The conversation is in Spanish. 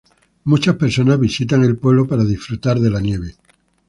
Muchas personas visitan el pueblo para disfrutar la nieve.